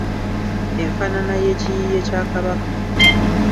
Enfaanana y’ekiyiiye kya Kabaka.